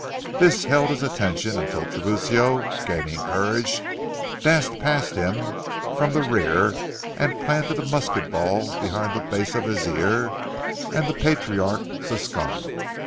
This held his attention until Tiburcio, gaining courage, dashed past him from the rear and planted a musket ball behind the base of his ear, and the patriarch succumbed.